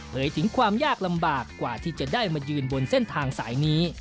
ถึงความยากลำบากกว่าที่จะได้มายืนบนเส้นทางสายนี้